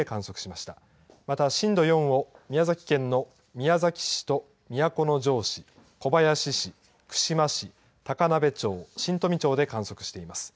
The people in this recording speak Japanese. また、震度４を宮崎県の宮崎市と都城市、小林市、串間市、高鍋町、新富町で観測しています。